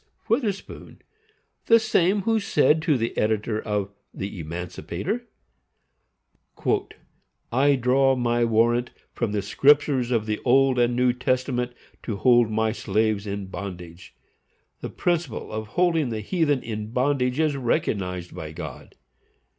Witherspoon, the same who said to the editor of the Emancipator, "I draw my warrant from the Scriptures of the Old and New Testament to hold my slaves in bondage. The principle of holding the heathen in bondage is recognized by God.